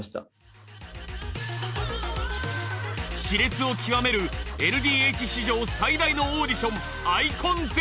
しれつを極めるＬＤＨ史上最大のオーディションｉＣＯＮＺ。